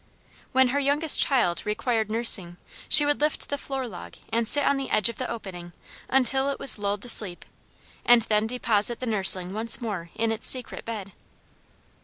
When her youngest child required nursing she would lift the floor log and sit on the edge of the opening until it was lulled to sleep, and then deposit the nursling once more in its secret bed.